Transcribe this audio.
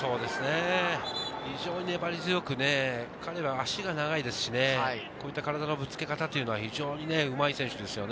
非常に粘り強く、彼は足が長いですしね、体のぶつけ方というのは非常にうまい選手ですね。